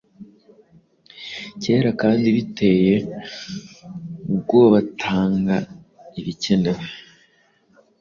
Kera kandi biteye ubwobatanga ibikenewe